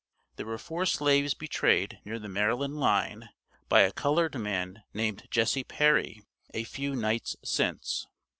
There were 4 slaves betrayed near the Maryland line by a colored man named Jesse Perry a few nights since.